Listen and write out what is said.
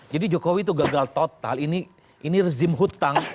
jadi jokowi itu gagal total ini rezim hutang